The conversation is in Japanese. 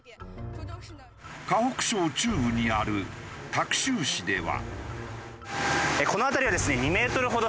河北省中部にあるタク州市では。